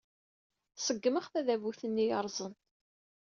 Ṣeggmeɣ tadabut-nni yerrẓen.